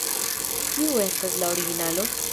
Kiu estas la originalo?